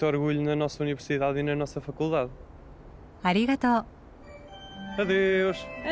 ありがとう。